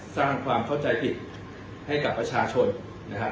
สร้างความเข้าใจผิดให้กับประชาชนนะครับ